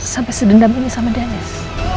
sampai sedendam ini sama dianis